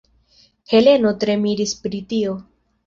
Heleno tre miris pri tio.